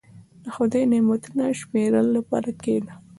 • د خدای نعمتونه شمیرلو لپاره کښېنه.